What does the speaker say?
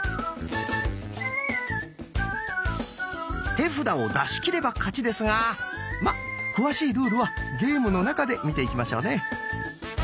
手札を出し切れば勝ちですがまっ詳しいルールはゲームの中で見ていきましょうね。